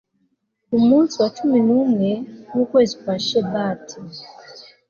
ku munsi wa cumi n'umwe w'ukwezi kwa shebati